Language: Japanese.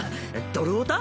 ドルオタ？